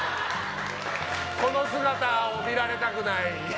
この姿を見られたくない。